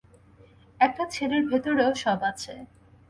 একটা ছেলের ভেতরেও সব আছে।